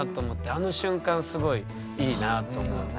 あの瞬間すごいいいなと思います。